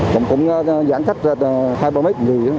cũng giãn cách hai ba mét